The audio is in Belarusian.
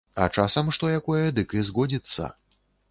А часам што якое дык і згодзіцца.